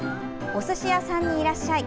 「おすしやさんにいらっしゃい！